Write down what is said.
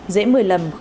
dễ một mươi lầm